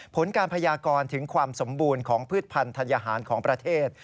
ผลการพยากรถึงความสมบูรณ์ของพืชพันธัญหารของประเทศ